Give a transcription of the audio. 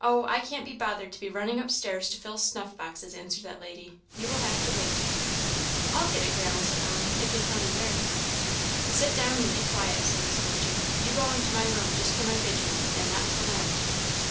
"Oh! I can't be bothered to be running upstairs to fill snuff boxes," answered that lady; "you'll have to wait." "I'll get it, Grandma," said Ellen, "if you'll tell me where." "Sit down, and be quiet!" said Miss Fortune; "you go into my room just when I bid you, and not till then."